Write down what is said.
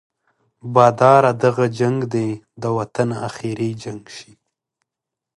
باداره دغه جنګ دې د وطن اخري جنګ شي.